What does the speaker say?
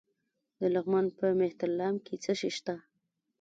د لغمان په مهترلام کې څه شی شته؟